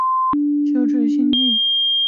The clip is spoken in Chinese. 修智心净。